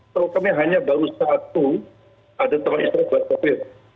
tukarnya hanya baru satu ada tempat istirahat buat sopir